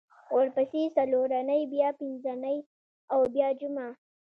ورپسې څلورنۍ بیا پینځنۍ او بیا جمعه